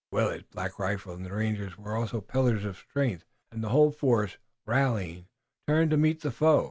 Willet, Black Rifle and the rangers were also pillars of strength, and the whole force, rallying, turned to meet the foe.